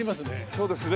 そうですね。